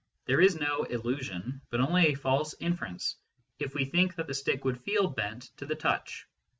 There is no " illusion/ but only a false inference, if we think that the stick would feel bent to the touch.